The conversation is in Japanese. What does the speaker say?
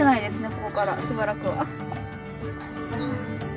ここからしばらくは。